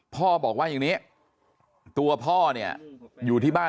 พ่อบอกว่าอย่างนี้ตัวพ่อเนี่ยอยู่ที่บ้าน